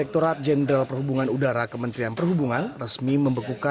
tentunya ratusan jadwal penerbangan pada sepuluh mei dua ribu enam belas